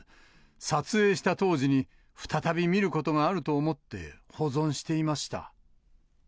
撮影した当時に、再び見ることがあると思って、保存していました。